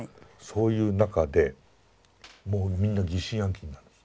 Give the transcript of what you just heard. そういう中でもうみんな疑心暗鬼になる。